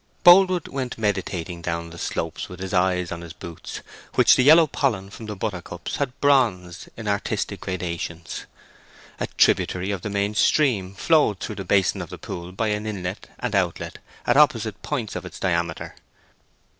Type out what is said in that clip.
Boldwood went meditating down the slopes with his eyes on his boots, which the yellow pollen from the buttercups had bronzed in artistic gradations. A tributary of the main stream flowed through the basin of the pool by an inlet and outlet at opposite points of its diameter.